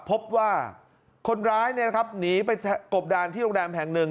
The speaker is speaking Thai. พบว่าคนร้ายหนีไปกบดานที่โรงแรมแห่งหนึ่ง